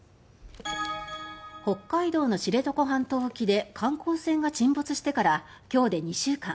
北海道の知床半島沖で観光船が沈没してから今日で２週間。